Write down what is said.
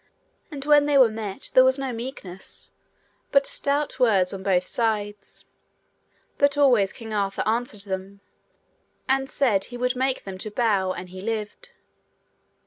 And when they were met there was no meekness, but stout words on both sides; but always King Arthur answered them, and said he would make them to bow an he lived.